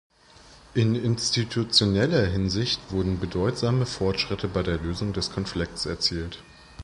In institutioneller Hinsicht wurden bedeutsame Fortschritte bei der Lösung des Konflikts erzielt.